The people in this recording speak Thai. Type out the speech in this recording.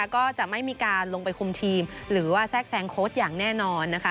ก็จะไม่มีการลงไปคุมทีมหรือว่าแทรกแซงโค้ชอย่างแน่นอนนะคะ